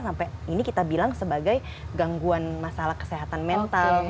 sampai ini kita bilang sebagai gangguan masalah kesehatan mental